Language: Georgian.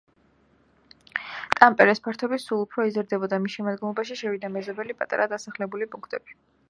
ტამპერეს ფართობი სულ უფრო იზრდებოდა, მის შემადგენლობაში შევიდა მეზობელი პატარა დასახლებული პუნქტები.